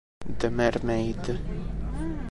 The Mermaid